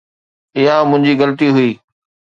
اها منهنجي غلطي هئي.